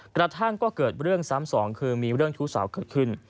กระทั่งก็เกิดเรื่องซ้ำสองคือมีเรื่องชู้สาวเกิดขึ้น